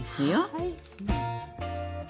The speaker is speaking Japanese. はい。